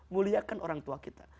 muliakan orang tua kita